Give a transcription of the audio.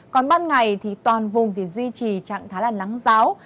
còn ban ngày thì toàn vùng thì duy trì trạng thái là nắng gió